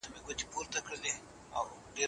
د پښتنو قبیلو ترمنځ شخړې څنګه هوارېدې؟